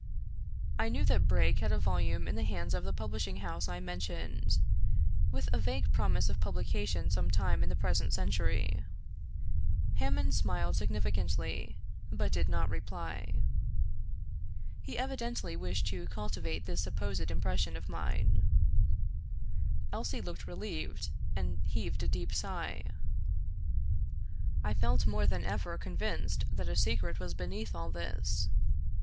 I knew that Brake had a volume in the hands of the pub lishing house I mentioned, with a vague promise of publica tion some time in the present century. Hammond smiled 62 Fitzjames O'Brien significantly, but did not reply. He evidently wished to cultivate this supposed impression of mine. Elsie looked relieved, and heaved a deep sigh. I felt more than ever convinced that a secret was beneath all this.